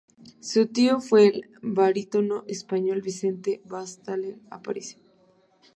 Su tío fue el barítono español Vicente Ballester Aparicio.